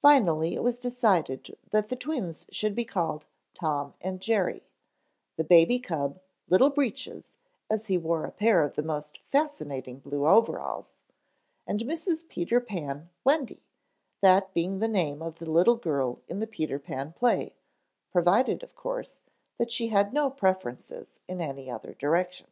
Finally it was decided that the twins should be called Tom and Jerry, the baby cub Little Breeches, as he wore a pair of the most fascinating blue overalls, and Mrs. Peter Pan Wendy, that being the name of the little girl in the Peter Pan play, provided, of course, that she had no preferences in any other direction.